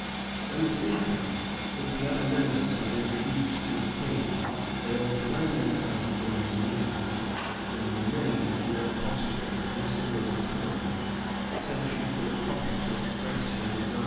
When the speaker, with the other members, was introduced to the queen, they all flung themselves on their knees, and remained in that posture a considerable time, till she thought proper to express her desire that they should rise.